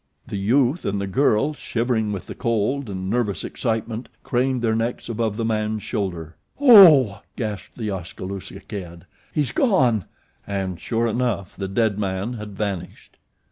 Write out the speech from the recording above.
The youth and the girl, shivering with cold and nervous excitement, craned their necks above the man's shoulder. "O h h!" gasped The Oskaloosa Kid. "He's gone," and, sure enough, the dead man had vanished.